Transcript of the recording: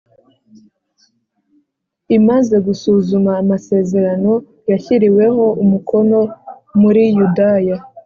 Imaze gusuzuma amasezerano yashyiriweho umukono muri yudaya